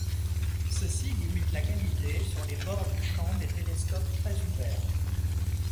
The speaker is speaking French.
Ceci limite la qualité sur les bords du champ des télescopes très ouverts.